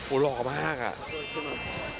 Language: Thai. โอ้หล่อมากอะ